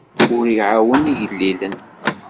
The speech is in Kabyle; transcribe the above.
Ur iɛawen igellilen.